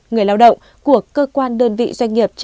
người lao động của cơ quan đơn vị doanh nghiệp